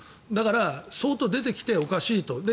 だから、相当出てきておかしいと。